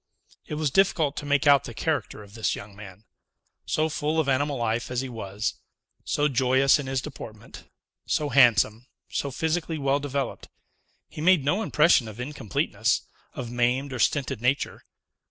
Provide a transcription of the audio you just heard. It was difficult to make out the character of this young man. So full of animal life as he was, so joyous in his deportment, so handsome, so physically well developed, he made no impression of incompleteness, of maimed or stinted nature.